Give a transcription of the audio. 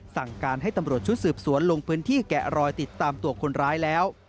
สั่งการให้ตำรวจชุดสืบสวนลงพื้นที่แกะรอยติดตามตัวคนร้ายแล้ว